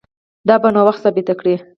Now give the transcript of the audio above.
دا به نو وخت ثابته کړي